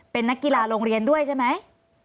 เป็นนักกีฬาโรงเรียนด้วยใช่ไหม